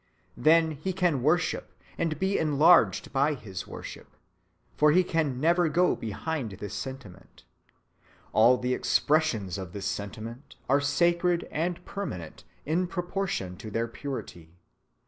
Then he can worship, and be enlarged by his worship; for he can never go behind this sentiment. All the expressions of this sentiment are sacred and permanent in proportion to their purity.